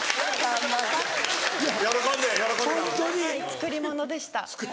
作り物でした。